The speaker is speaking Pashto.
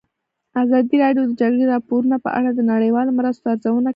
ازادي راډیو د د جګړې راپورونه په اړه د نړیوالو مرستو ارزونه کړې.